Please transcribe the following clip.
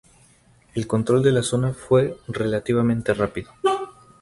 El control de la zona fue relativamente rápido.